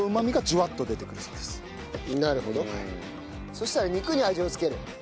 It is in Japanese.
そしたら肉に味を付ける。